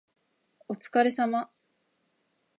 お疲れ様